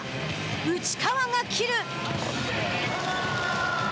内川が斬る。